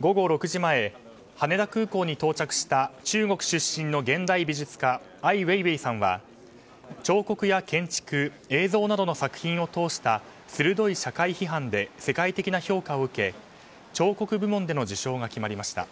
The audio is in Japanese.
午後６時前、羽田空港に到着した中国出身の現代美術家アイ・ウェイウェイさんは彫刻や建築映像などの作品を通した鋭い社会批判で世界的な評価を受け彫刻部門での受賞が決まりました。